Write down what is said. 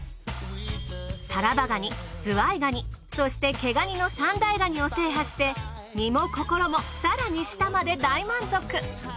タラバガニズワイガニそして毛ガニの三大ガニを制覇して身も心も更に舌まで大満足。